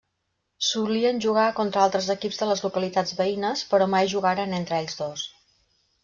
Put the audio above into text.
Solien jugar contra altres equips de les localitats veïnes però mai jugaren entre ells dos.